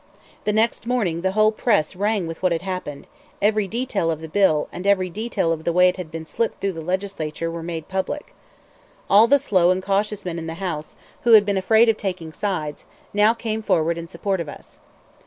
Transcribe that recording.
The next morning the whole press rang with what had happened; every detail of the bill, and every detail of the way it had been slipped through the Legislature, were made public. All the slow and cautious men in the House, who had been afraid of taking sides, now came forward in support of us.